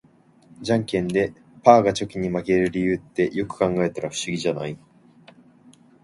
ジャンケンでパーがチョキに負ける理由って、よく考えたら不思議じゃない？